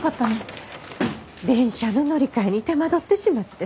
電車の乗り換えに手間取ってしまって。